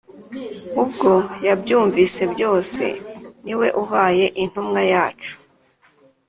ubwo yabyumvise byose ni we ubaye intumwa yacu